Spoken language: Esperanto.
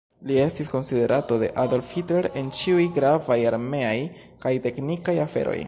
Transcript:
Li estis konsilanto de Adolf Hitler en ĉiuj gravaj armeaj kaj teknikaj aferoj.